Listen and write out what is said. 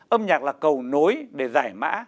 âm nhạc là cầu nối để giải mã